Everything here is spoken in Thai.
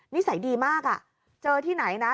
นิสัยดีมากเจอที่ไหนนะ